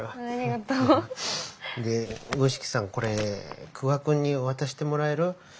で五色さんこれ久我君に渡してもらえる？